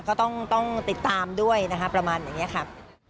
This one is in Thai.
ก็ต้องติดตามด้วยนะคะประมาณอย่างนี้ค่ะ